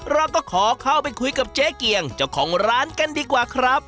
เราก็ขอเข้าไปคุยกับเจ๊เกียงเจ้าของร้านกันดีกว่าครับ